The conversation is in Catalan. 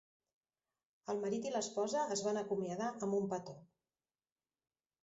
El marit i l'esposa es van acomiadar amb un petó.